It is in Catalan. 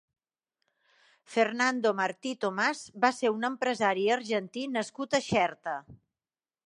Fernando Martí Tomàs va ser un empresari argentí nascut a Xerta.